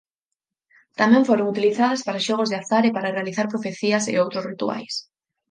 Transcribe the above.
Tamén foron utilizadas para xogos de azar e para realizar profecías e outros rituais.